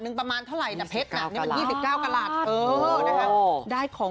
เออ